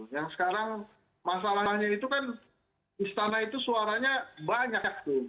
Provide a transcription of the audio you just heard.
yang sekarang masalahnya itu kan istana itu suaranya banyak tuh